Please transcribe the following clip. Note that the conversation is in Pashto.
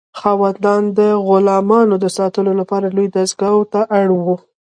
خاوندان د غلامانو د ساتلو لپاره لویې دستگاه ته اړ وو.